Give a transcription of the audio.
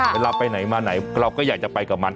เวลาไปไหนมาไหนเราก็อยากจะไปกับมัน